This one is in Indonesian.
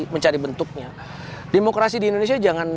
mencari bentuknya demokrasi di indonesia jangan